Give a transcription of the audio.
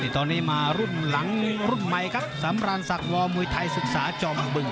ตอนนี้มารุ่นหลังรุ่นใหม่ครับสำราญศักดิวอร์มวยไทยศึกษาจอมบึง